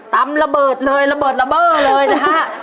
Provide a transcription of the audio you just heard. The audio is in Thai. ตำลำเบิดเลยลำเบิดลำเบอร์เลยนะฮะ